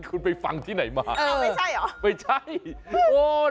คุณไปฟังที่ไหนมาเอาไม่ใช่หรอ